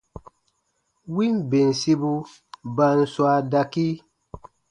Win bensibu ba n swaa dakii.